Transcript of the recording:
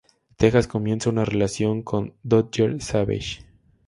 Texas comienza una relación con Dodger Savage.